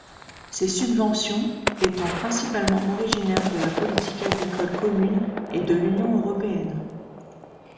Ces subventions étant principalement originaire de la politique agricole commune et de l'Union européenne.